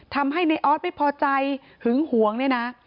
ทำให้ในออสไม่พอใจหึงหวงเนี่ยนะ